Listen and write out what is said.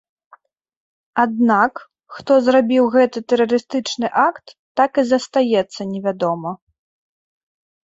Аднак, хто зрабіў гэты тэрарыстычны акт, так і застаецца невядома.